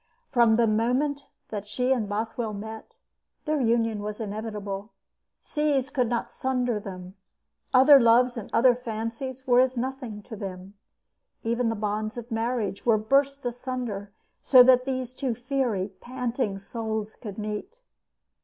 From the moment that she and Bothwell met, their union was inevitable. Seas could not sunder them. Other loves and other fancies were as nothing to them. Even the bonds of marriage were burst asunder so that these two fiery, panting souls could meet.